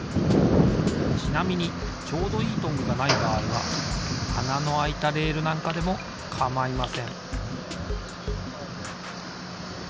ちなみにちょうどいいトングがないばあいはあなのあいたレールなんかでもかまいません